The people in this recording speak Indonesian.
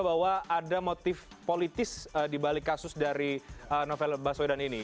bahwa ada motif politis dibalik kasus dari novel baswedan ini